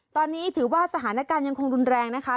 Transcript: ตอนนี้ถือว่าสถานการณ์ยังคงรุนแรงนะคะ